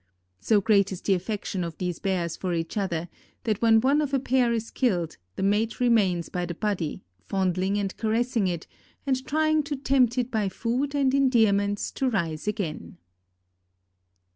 So great is the affection of these bears for each other that when one of a pair is killed the mate remains by the body, fondling and caressing it and trying to tempt it by food and endearments to rise again.